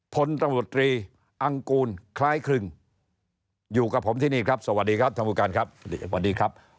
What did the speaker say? พลตำรวจตรีอังกูลคล้ายครึ่งอยู่กับผมที่นี่ครับสวัสดีครับท่านผู้การครับสวัสดีครับ